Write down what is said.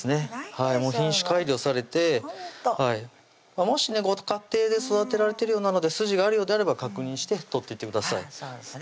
もう品種改良されてほんともしねご家庭で育てられてるようなので筋があるようであれば確認して取っていってくださいそうですね